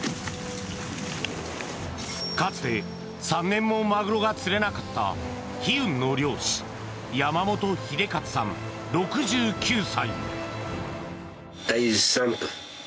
かつて３年もまぐろが釣れなかった悲運の漁師山本秀勝さん６９歳。